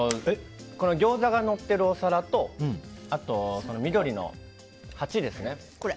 ギョーザがのってるお皿とあと、緑の鉢ですね。